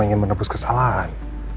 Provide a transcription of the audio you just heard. ingin menebus kesalahan